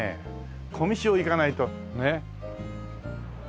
小道を行かないとね。